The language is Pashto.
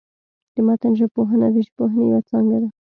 د متن ژبپوهنه، د ژبپوهني یوه څانګه ده.